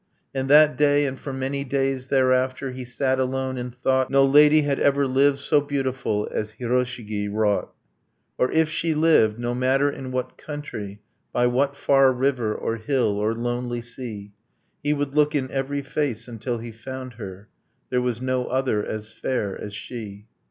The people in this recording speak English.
And that day, and for many days thereafter, He sat alone, and thought No lady had ever lived so beautiful As Hiroshigi wrought ... Or if she lived, no matter in what country, By what far river or hill or lonely sea, He would look in every face until he found her ... There was no other as fair as she.